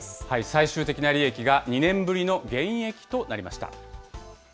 最終的な利益が、２年ぶりの減益となりました。